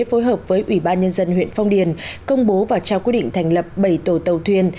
phối hợp với ủy ban nhân dân huyện phong điền công bố và trao quyết định thành lập bảy tổ tàu thuyền